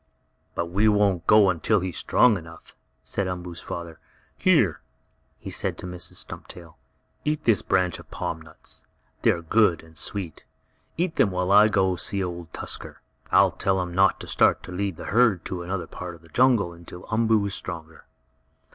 "But we won't go until he is strong enough," said Umboo's father. "Here," he said to Mrs. Stumptail, "eat this branch of palm nuts. They are good and sweet. Eat them while I go and see Old Tusker. I'll tell him not to start to lead the herd to another part of the jungle until Umboo is stronger."